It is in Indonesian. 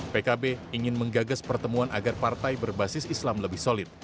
pkb ingin menggagas pertemuan agar partai berbasis islam lebih solid